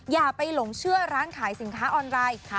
อย่าไปหลงเชื่อร้านขายสินค้าออนไลน์